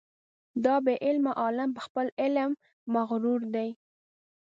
دا بې علمه عالم په خپل علم مغرور دی.